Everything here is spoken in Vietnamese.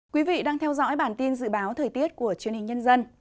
quý vị đang theo dõi bản tin dự báo thời tiết của truyền hình nhân dân